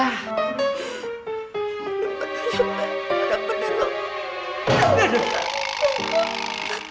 ya pe ya pe